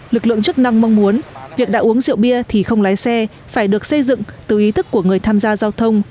lực lượng chức năng mong muốn việc đã uống rượu bia thì không lái xe phải được xây dựng từ ý thức của người tham gia giao thông